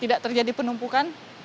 tidak terjadi penumpukan